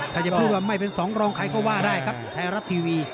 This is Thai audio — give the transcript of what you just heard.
ถ้าจะพูดว่าไม่เป็นสองรองใครก็ว่าได้ครับไทยรัฐทีวี